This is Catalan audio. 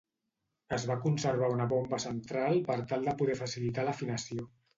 Es va conservar una bomba central per tal de poder facilitar l'afinació.